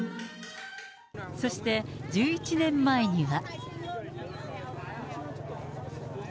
そして、１１年前には。